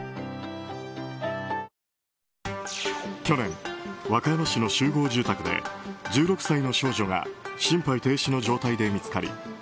去年、和歌山市の集合住宅で１６歳の少女が心肺停止の状態で見つかり